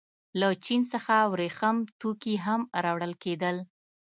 له چین څخه ورېښم توکي هم راوړل کېدل.